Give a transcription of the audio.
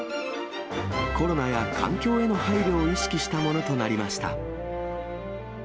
コロナや環境への配慮を意識したものとなりました。